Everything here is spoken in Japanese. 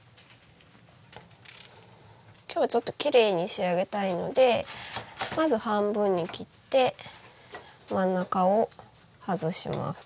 今日はちょっときれいに仕上げたいのでまず半分に切って真ん中を外します。